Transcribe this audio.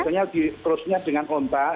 biasanya dikrusnya dengan onpa